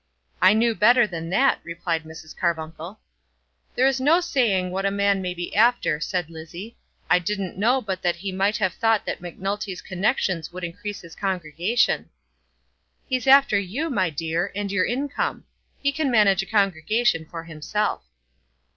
"I knew better than that," replied Mrs. Carbuncle. "There is no saying what a man may be after," said Lizzie. "I didn't know but what he might have thought that Macnulty's connexions would increase his congregation." "He's after you, my dear, and your income. He can manage a congregation for himself."